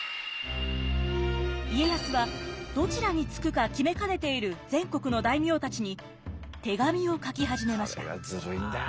家康はどちらにつくか決めかねている全国の大名たちに手紙を書き始めました。